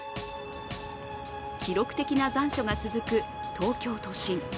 記録的な残暑が続く東京都心。